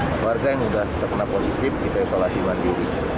keluarga yang sudah terkena positif kita isolasi mandiri